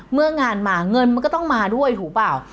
เมื่องานมาเงินมันก็ต้องมาด้วยถูกเปล่า